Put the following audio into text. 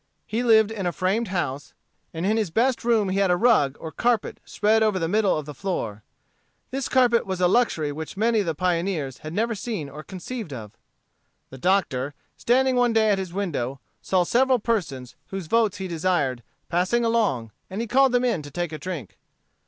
He lived in a framed house, and in his best room he had a rug or carpet spread over the middle of the floor. This carpet was a luxury which many of the pioneers had never seen or conceived of. The Doctor, standing one day at his window, saw several persons, whose votes he desired, passing along, and he called them in to take a drink.